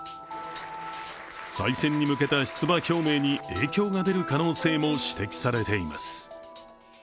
再選に向けた出馬表明に影響が出る可能性も指摘されています。